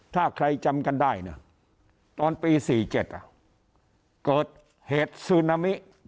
ถ้าใครจำกันได้นะตอนปี๔๗เกิดเหตุซึนามิ